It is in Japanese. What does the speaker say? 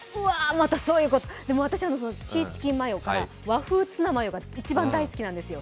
またそういうことでも私、シーチキンマヨとか和風ツナマヨが一番大好きなんですよ。